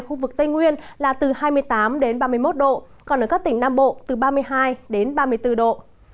khu vực tây nguyên là từ hai mươi tám ba mươi một độ còn ở các tỉnh nam bộ từ ba mươi hai đến ba mươi bốn độ